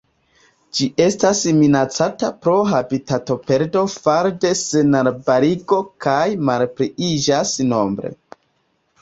Ĝi estas minacata pro habitatoperdo fare de senarbarigo kaj malpliiĝas nombre.